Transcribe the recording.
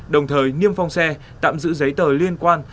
đồng thời niêm phong xe tạm giữ giấy tờ liên quan